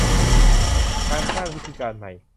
การสร้างวิธีการใหม่